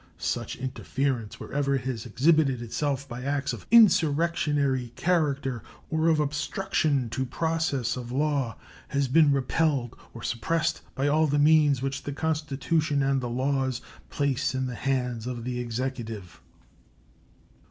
Such interference, wherever it has exhibited itself by acts of insurrectionary character or of obstruction to process of law, has been repelled or suppressed by all the means which the Constitution and the laws place in the hands of the Executive.